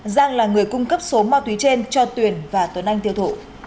giang là người cung cấp số ma túy trên cho tuyền và tuấn anh tiêu thụ